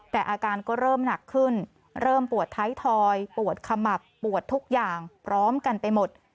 แต่อาการก็เริ่มหนักขึ้นเริ่มปวดท้ายทอยปวดขมับปวดทุกอย่างพร้อมกันไปหมด